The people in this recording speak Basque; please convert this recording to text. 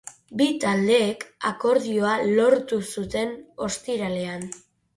Bi taldeek akordioa lortu zuten ostiralean.